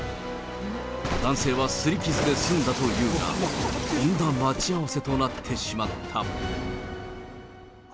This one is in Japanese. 男性はすり傷で済んだというが、とんだ待ち合わせとなってしまった。